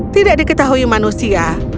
tidak diketahui manusia